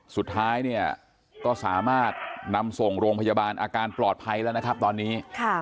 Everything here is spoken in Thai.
สุดท้ายเนี่ยก็สามารถนำส่งโรงพยาบาลอาการปลอดภัยแล้วนะครับตอนนี้